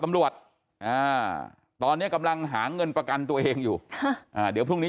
ตำรวจตอนนี้กำลังหาเงินประกันตัวเองอยู่เดี๋ยวพรุ่งนี้